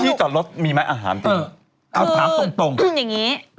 ที่จอดรถมีไหมอาหารตรงเอาสามตรงอย่างงี้